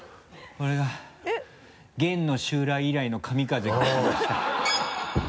これが元の襲来以来の神風が吹きました。